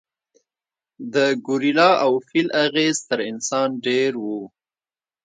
د ګورېلا او فیل اغېز تر انسان ډېر و.